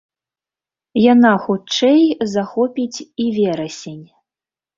Яна, хутчэй, захопіць і верасень.